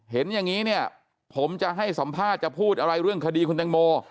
เห็นอย่างนี้เนี่ยผมจะให้สัมภาษณ์จะพูดอะไรเรื่องคดีคุณแตงโม